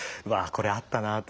これあったなと。